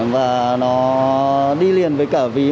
và nó đi liền với cả ví mình